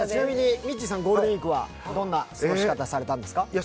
ミッチーさん、ゴールデンウイークはどんな過ごし方をされたんですか？